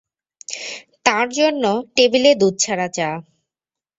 তাঁর জন্যে টেবিলে দুধছাড়া চা।